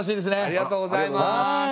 ありがとうございます！